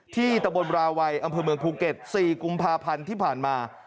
ตะบนราวัยอำเภอเมืองภูเก็ต๔กุมภาพันธ์ที่ผ่านมา